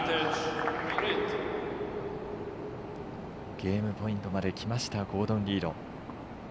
ゲームポイントまできましたゴードン・リード。